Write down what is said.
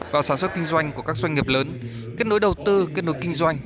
và sản xuất kinh doanh của các doanh nghiệp lớn kết nối đầu tư kết nối kinh doanh